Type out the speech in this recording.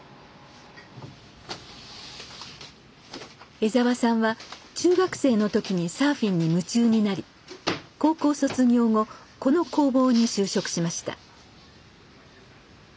江澤さんは中学生の時にサーフィンに夢中になり高校卒業後この工房に就職しました。